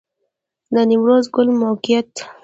د نیمروز کلی موقعیت